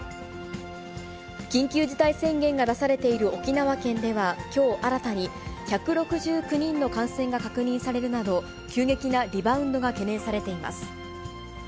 緊急事態宣言が出されている沖縄県では、きょう新たに１６９人の感染が確認されるなど、急激なリバウンドが懸念されています。